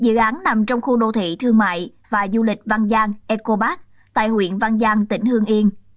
dự án nằm trong khu đô thị thương mại và du lịch văn giang ecobar tại huyện văn giang tỉnh hương yên